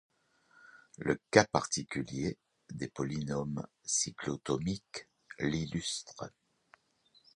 Le cas particulier des polynômes cyclotomiques l'illustre.